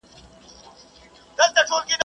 o د خېره دي بېزاره يم، سپي دي در گرځوه.